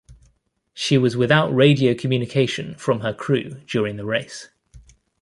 She was without radio communication from her crew during the race.